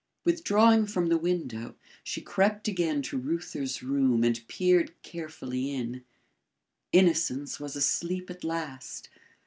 Withdrawing from the window, she crept again to Reuther's room and peered carefully in. Innocence was asleep at last.